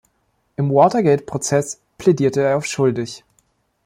Im Watergate-Prozess plädierte er auf „schuldig“.